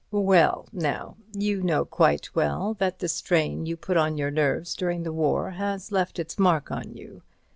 "Well, now. You know quite well that the strain you put on your nerves during the war has left its mark on you.